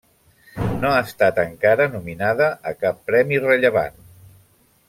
No ha estat encara nominada a cap premi rellevant.